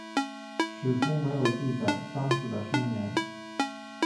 史书没有记载张氏的生年。